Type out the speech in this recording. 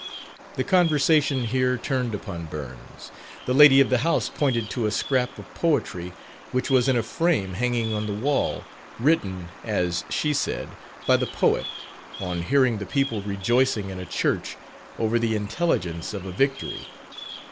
The conversation here turned upon Burns. The lady of the house pointed to a scrap of poetry which was in a frame hanging on the wall, written, as she said, by the Poet, on hearing the people rejoicing in a church over the intelligence of a victory.